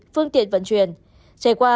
phương tiện vận chuyển trải qua